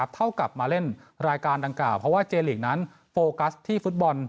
เท่ากับมาเล่นรายการดังกล่าวเพราะว่าเจลีกนั้นโฟกัสที่ฟุตบอล